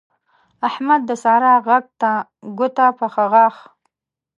احمد د سارا غږ ته ګوته په غاښ